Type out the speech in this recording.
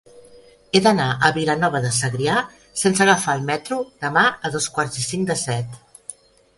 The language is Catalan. He d'anar a Vilanova de Segrià sense agafar el metro demà a dos quarts i cinc de set.